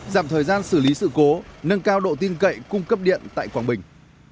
giảm thời gian xử lý sự cố nâng cao độ tin cậy cung cấp điện tại quảng bình